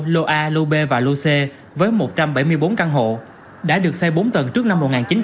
lô a lô b và lô c với một trăm bảy mươi bốn căn hộ đã được xây bốn tầng trước năm một nghìn chín trăm bảy mươi